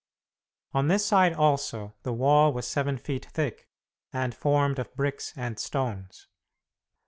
On this side also the wall was seven feet thick, and formed of bricks and stones.